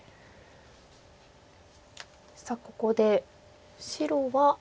さあここで白は。